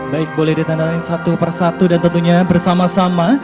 baik boleh ditandai satu persatu dan tentunya bersama sama